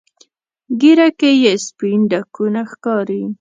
ږیره کې یې سپین ډکونه ښکاري.